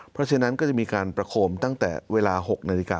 เพราะฉะนั้นก็จะมีการประโคมตั้งแต่เวลา๖นาฬิกา